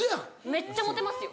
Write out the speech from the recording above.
めっちゃモテますよ。